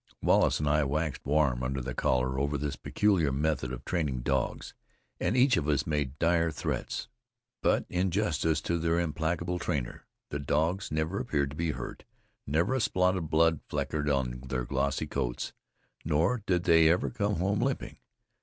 Wallace and I waxed warm under the collar over this peculiar method of training dogs, and each of us made dire threats. But in justice to their implacable trainer, the dogs never appeared to be hurt; never a spot of blood flecked their glossy coats, nor did they ever come home limping.